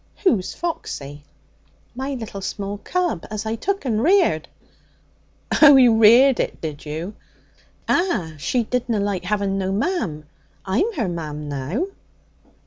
'Who's Foxy?' 'My little small cub as I took and reared.' 'Oh! you reared it, did you?' 'Ah. She didna like having no mam. I'm her mam now.'